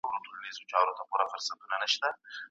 مجاهدین د خپل هدف دپاره هر څه کوی.